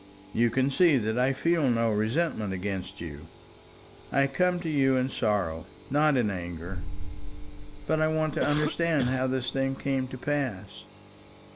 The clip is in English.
You can see that I feel no resentment against you. I come to you in sorrow, not in anger. But I want to understand how this thing came to pass.